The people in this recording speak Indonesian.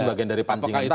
ini bagian dari pancing kita